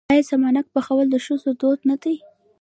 آیا سمنک پخول د ښځو دود نه دی؟